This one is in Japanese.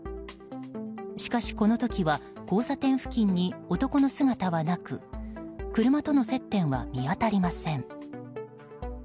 しかし、この時は交差点付近に男の姿はなく車との接点は見当たりません。